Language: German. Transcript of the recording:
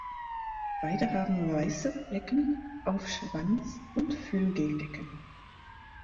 Beide haben weiße Flecken auf Schwanz und Flügeldecken.